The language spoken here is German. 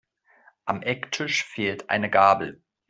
Am Ecktisch fehlt eine Gabel.